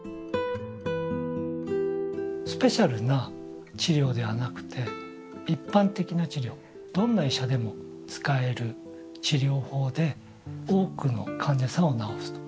スペシャルな治療ではなくて一般的な治療どんな医者でも使える治療法で多くの患者さんを治すと。